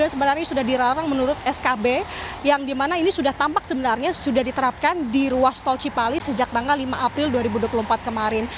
sebenarnya sudah dilarang menurut skb yang dimana ini sudah tampak sebenarnya sudah diterapkan di ruas tol cipali sejak tanggal lima april dua ribu dua puluh empat kemarin